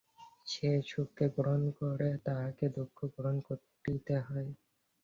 যে সুখকে গ্রহণ করে, তাহাকে দুঃখও গ্রহণ করিতে হয়।